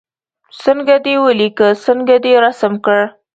څنګه دې ولیکه څنګه دې رسم کړ.